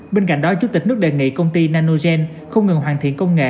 bên cạnh đó chủ tịch nước đề nghị công ty nanogen không ngừng hoàn thiện công nghệ